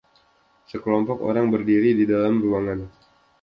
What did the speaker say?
Sekelompok orang berdiri di dalam ruangan